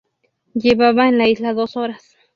Llevaba en la isla dos horas.